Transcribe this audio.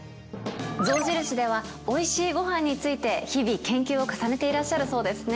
象印ではおいしいごはんについて日々研究を重ねていらっしゃるそうですね。